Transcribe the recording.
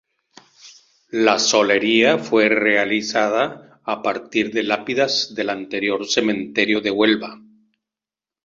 La solería fue realiza a partir de lápidas del anterior cementerio de Huelva.